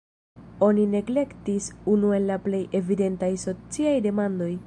Oni neglektis unu el la plej evidentaj sociaj demandoj.